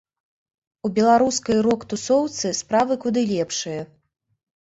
У беларускай рок-тусоўцы справы куды лепшыя.